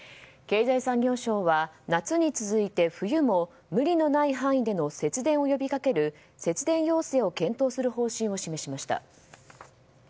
経済産業省は夏に続いて冬も無理のない範囲での節電を呼びかける節電要請を検討する方針を示しました。